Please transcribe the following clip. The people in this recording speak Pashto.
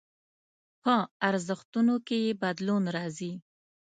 په ارزښتونو کې يې بدلون راځي.